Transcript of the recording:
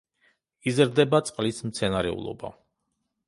იზრდება წყლის მცენარეულობა.